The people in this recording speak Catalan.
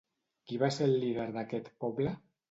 Qui va ser el líder d'aquest poble?